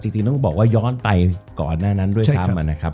จริงต้องบอกว่าย้อนไปก่อนหน้านั้นด้วยซ้ำนะครับ